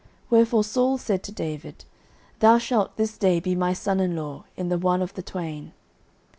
Wherefore Saul said to David, Thou shalt this day be my son in law in the one of the twain.